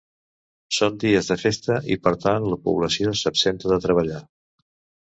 Són dies de festa i per tant la població s'absenta de treballar.